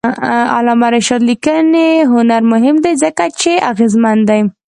د علامه رشاد لیکنی هنر مهم دی ځکه چې اغېزمن دی.